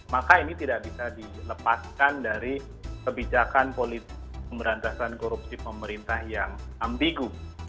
maka ini tidak bisa dilepaskan dari kebijakan politik pemberantasan korupsi pemerintah yang ambigu